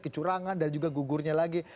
kecurangan dan juga gugurnya lagi